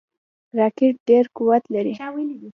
راکټ ډیر قوت لري